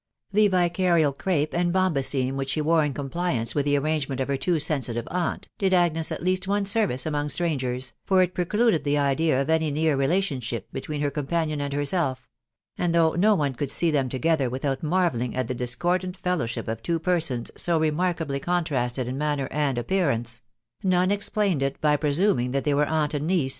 The vicarial crape and bombasin which she wore in compliance with the arrangement of her too sensitive aunt, did Agnes at least one service among strangers, for it precluded the idea of any near relationship between her com panion and herself; and though no one could see them to gether without marvelling at the discordant fellowship of two persons so remarkably contrasted in manner and appearance, none explained it by presuming mat they were aunt and niece.